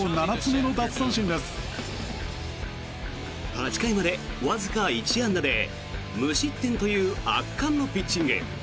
８回までわずか１安打で無失点という圧巻のピッチング。